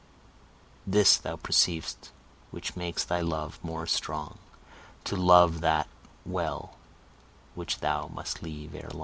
This thou perceiv'st, which makes thy love more strong, To love that well, which thou must leave ere lo